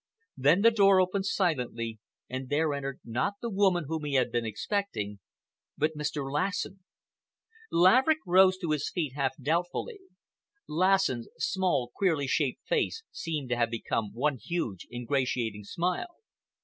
Then the door opened silently and there entered not the woman whom he had been expecting, but Mr. Lassen. Laverick rose to his feet half doubtfully. Lassen's small, queerly shaped face seemed to have become one huge ingratiating smile.